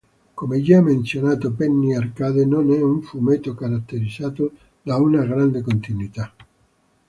Come già menzionato, "Penny Arcade" non è un fumetto caratterizzato da una grande continuità.